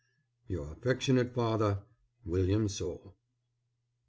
Your affectionate father, WILLIAM SOULE.